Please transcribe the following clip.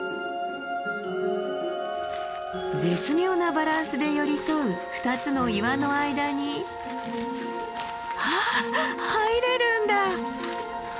絶妙なバランスで寄り添う２つの岩の間にあっ入れるんだ！